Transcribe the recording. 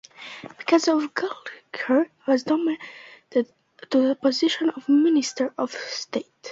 Because of this Gallagher was demoted to the position of Minister of State.